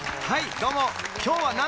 はい！